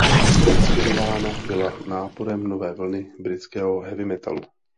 Inspirována byla náporem nové vlny britského heavy metalu.